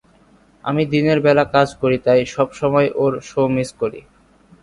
আমি দিনের বেলা কাজ করি তাই সবসময় ওর শো মিস করি।